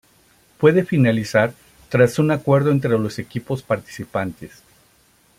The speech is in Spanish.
Puede finalizar tras un acuerdo entre los equipos participantes.